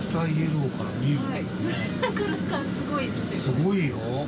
すごいよ。